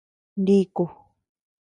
Niku.